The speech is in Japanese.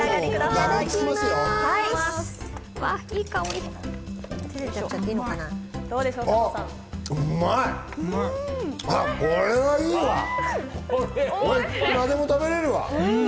いくらでも食べれるわ。